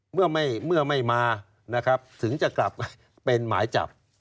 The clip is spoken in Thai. เมื่อไม่มานะครับถึงจะกลับเป็นหมายจับ